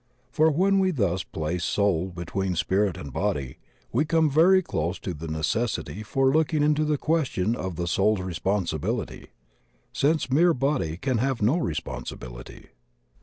For when we thus place 30 THE OCEAN OF THEOSOPHY soul between spirit and body, we come very close to the necessity for looking into the question of the soul's responsibility — since mere body can have no responsi bility.